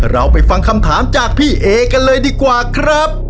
เราไปฟังคำถามจากพี่เอกันเลยดีกว่าครับ